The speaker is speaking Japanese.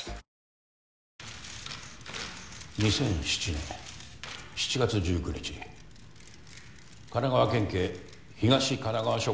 ２００７年７月１９日神奈川県警東神奈川署